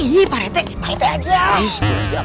ih pak reti pak reti aja